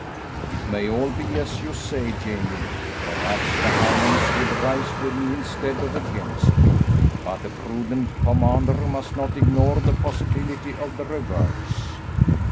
"It may all be as you say, Jamie. Perhaps the Highlands would rise with me instead of against me, but a prudent commander must not ignore the possibility of the reverse.